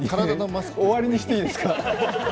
終わりにしていいですか？